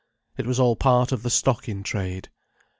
It was all part of the stock in trade.